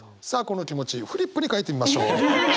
この気持ちフリップに書いてみましょう。